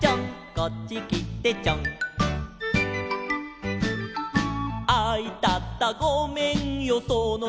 「こっちきてちょん」「あいたたごめんよそのひょうし」